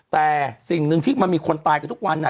แต่สิ่งหนึ่งที่มันมีคนตายกันทุกวัน